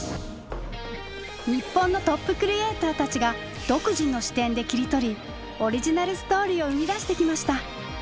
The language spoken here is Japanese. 日本のトップクリエーターたちが独自の視点で切り取りオリジナルストーリーを生み出してきました。